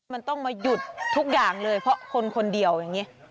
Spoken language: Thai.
มันต้องมาหยุดทุกอย่างเลยเพราะคนคนเดียวอย่างนี้